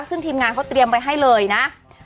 ซึ่งทีมงานเขาเตรียมไว้ให้เลยนะ